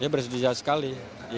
ya bersedia sekali